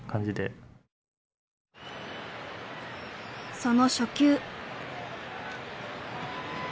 その初球。